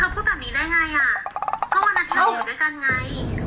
อ้าวเธอพูดแบบนี้ได้ไงอ่ะก็วันนั้นฉันอยู่ด้วยกันไง